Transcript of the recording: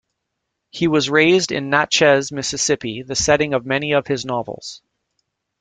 He was raised in Natchez, Mississippi, the setting of many of his novels.